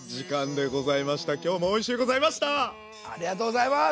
ありがとうございます！